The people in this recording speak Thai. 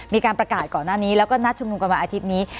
มีการประกาศก่อนหน้านี้แล้วก็นัดชุมนุมกันวันอาทิตย์นี้